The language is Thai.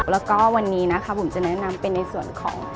แล้วก็วันนี้นะคะบุ๋มจะแนะนำเป็นในส่วนของ